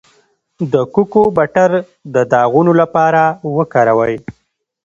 د کوکو بټر د داغونو لپاره وکاروئ